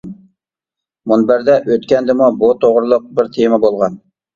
مۇنبەردە ئۆتكەندىمۇ بۇ توغرىلىق بىر تېما بولغان.